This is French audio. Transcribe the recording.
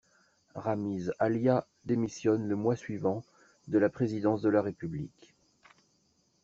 Ramiz Alia démissionne le mois suivant de la Présidence de la République.